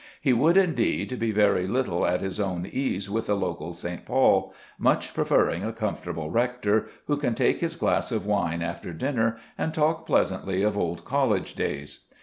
He would, indeed, be very little at his own ease with a local St. Paul, much preferring a comfortable rector, who can take his glass of wine after dinner and talk pleasantly of old college days.